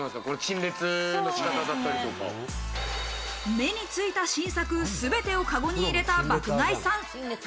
目についた新作、全てをかごに入れた爆買いさん。